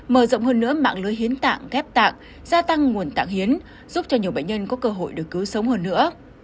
mở rộng hơn nữa mạng lưới hiến tạng ghép tạng gia tăng nguồn tạng hiến giúp cho nhiều bệnh nhân có cơ hội được cứu sống hơn nữa